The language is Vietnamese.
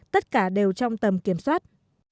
tất cả đều trong tầm kiểm soát